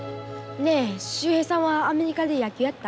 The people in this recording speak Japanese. ねえ秀平さんはアメリカで野球やった？